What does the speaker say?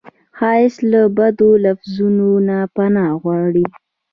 ښایست له بدو لفظونو نه پناه غواړي